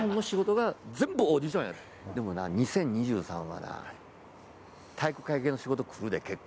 でもな２０２３はな体育会系の仕事くるで結構。